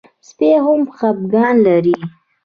سپي هم خپګان لري.